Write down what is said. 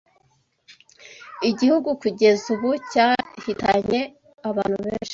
Igihugu kugeza ubu cyahitanye abantu benshi